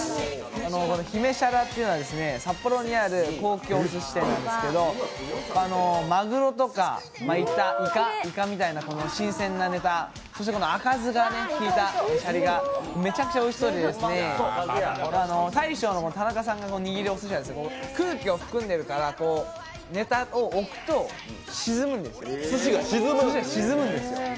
姫沙羅というのは札幌にある高級すし店なんですけどマグロとか、イカみたいな新鮮なネタ、そして赤酢が効いたシャリがめちゃくちゃおいしそうで大将の田中さんが握るお寿司なんですけど、ネタを置くとすしが沈むんですよ。